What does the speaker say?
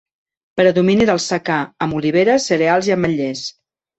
Predomini del secà amb oliveres, cereals i ametllers.